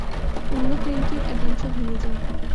অন্য ক্রেনটির একাংশ ভেঙে যায়।